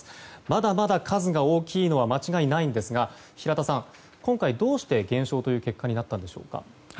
まだまだ数が大きいのは間違いないんですが平田さん、今回、どうして減少という結果になったんでしょうか。